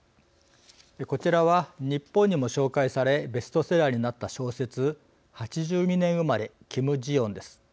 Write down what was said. こちらは日本にも紹介されベストセラーになった小説「８２年生まれ、キム・ジヨン」です。